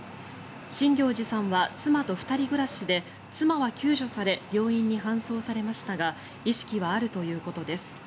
新行内さんは妻と２人暮らしで妻は救助され病院に搬送されましたが意識はあるということです。